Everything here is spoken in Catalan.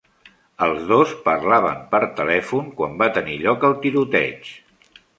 Els dos parlaven per telèfon quan va tenir lloc el tiroteig.